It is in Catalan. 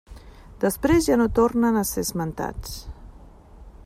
Després ja no tornen a ser esmentats.